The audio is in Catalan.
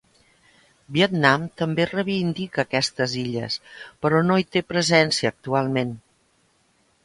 Vietnam també reivindica aquestes illes, però no hi té presència actualment.